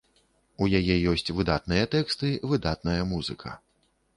У яе ёсць выдатныя тэксты, выдатная музыка.